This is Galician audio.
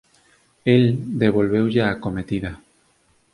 El devolveulle a acometida.